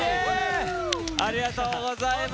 ありがとうございます。